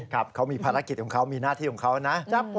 ครับเขามีภารกิจของเขามีหน้าที่ของเขานะ